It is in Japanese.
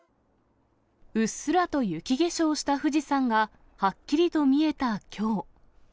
うっすらと雪化粧した富士山がはっきりと見えたきょう。